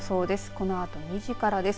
このあと２時ごろです。